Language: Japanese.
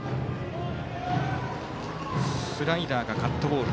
スライダーかカットボール